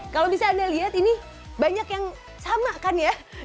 kalau bisa anda lihat ini banyak yang sama kan ya